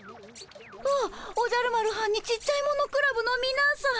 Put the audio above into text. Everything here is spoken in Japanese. あおじゃる丸はんにちっちゃいものクラブのみなさん。